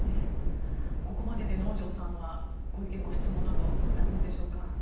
ここまでで能條さんはご意見やご質問はございますでしょうか？